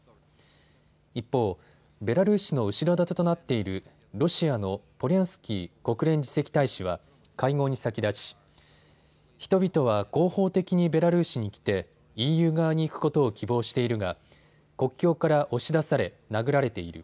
一方、ベラルーシの後ろ盾となっているロシアのポリャンスキー国連次席大使は会合に先立ち人々は合法的にベラルーシに来てＥＵ側に行くことを希望しているが国境から押し出され殴られている。